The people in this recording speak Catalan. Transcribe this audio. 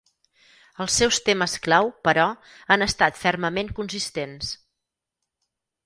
Els seus temes clau, però, han estat fermament consistents.